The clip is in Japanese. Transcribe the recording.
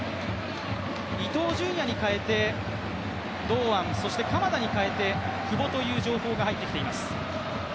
伊東純也に代えて堂安、そして鎌田に代えて久保という情報が入ってきています。